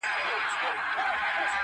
• نور به نه کوم ګیلې له توره بخته,